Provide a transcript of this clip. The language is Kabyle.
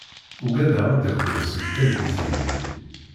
Uggadeɣ ad d-akiɣ seg targit-nni.